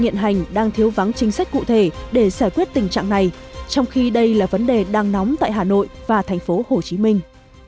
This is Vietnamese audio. hiện hành đang thiếu vắng chính sách cụ thể để giải quyết tình trạng này trong khi đây là vấn đề đang nóng tại hà nội và thành phố hồ chí minh